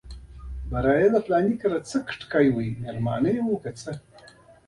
چې د هغه وخت حقایقو په اساس نیول شوي دي